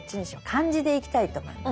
漢字でいきたいと思います。